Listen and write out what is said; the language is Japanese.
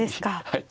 はい。